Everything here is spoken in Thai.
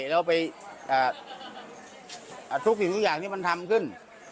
แล้วไปทุกสิ่งทุกอย่างที่มันทำขึ้น